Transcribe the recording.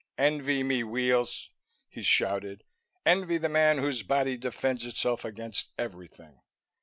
"Envy me, Weels!" he shouted. "Envy the man whose body defends itself against everything!